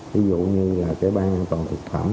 ví dụ như là cái ban an toàn thực phẩm